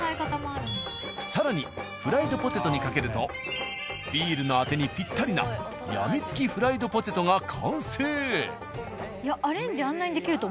更にフライドポテトにかけるとビールのあてにぴったりなやみつきフライドポテトが完成。